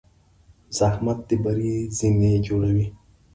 زحمت د بری زینې جوړوي.